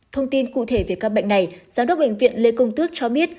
thông tin cụ thể về các bệnh này giám đốc bệnh viện lê công tước cho biết